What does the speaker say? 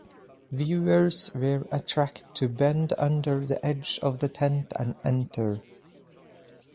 Viewers were attracted to bend under the edge of the tent and enter.